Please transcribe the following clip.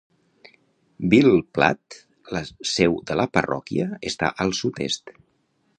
Ville Platte, la seu de la parròquia, està al sud-est.